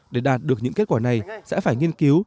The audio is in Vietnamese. để đạt được những kết quả này sẽ phải nghiên cứu